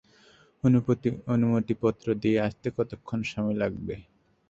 অনুমতি পত্র দিয়ে আসতে কতক্ষণ সময় লাগবে?